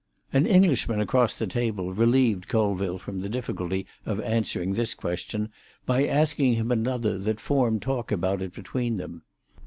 An Englishman across the table relieved Colville from the difficulty of answering this question by asking him another that formed talk about it between them.